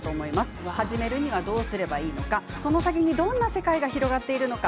始めるにはどうすればいいのかその先にどんな世界が広がっているのか